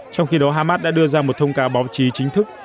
trong khi đó hamas đã đưa ra một thông cáo báo chí chính thức